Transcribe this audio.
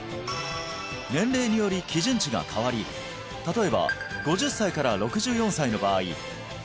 年齢により基準値が変わり例えば５０歳から６４歳の場合